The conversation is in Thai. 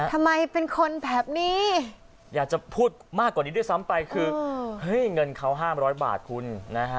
ทำไมเป็นคนแบบนี้อยากจะพูดมากกว่าหรือสัมให้เงินเค้าห้ามรอยบาทคุณนะ